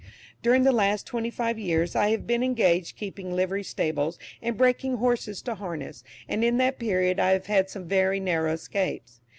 During the last twenty five years I have been engaged keeping livery stables and breaking horses to harness, and in that period I have had some very narrow escapes.